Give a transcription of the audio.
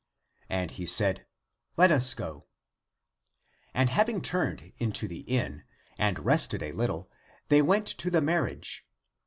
And he said, " Let us go." And having turned into the inn, and rested a little, they went to the marriage.